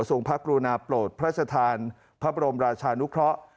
พระกรุณาโปรดพระชธานพระบรมราชานุเคราะห์